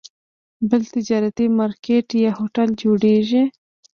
بل تجارتي مارکیټ یا هوټل جوړېږي.